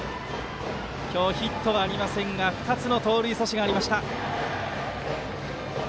今日ヒットはありませんが２つの盗塁刺しがありました。